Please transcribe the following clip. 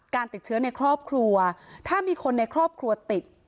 ติดเชื้อในครอบครัวถ้ามีคนในครอบครัวติด